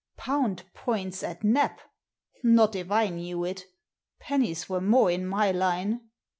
Pound points at Nap ! Not if I knew it Pennies were more in my line.